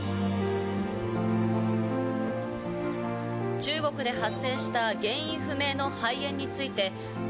中国で発生した原因不明の肺炎について。